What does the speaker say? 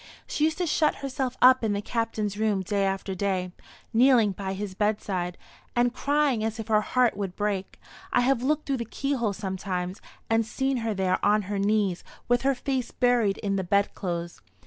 She used to shut herself up in the Captain's room day after day, kneeling by his bedside, and crying as if her heart would break. I have looked through the keyhole sometimes, and seen her there on her knees, with her face buried in the bedclothes.